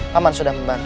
paman sudah membantu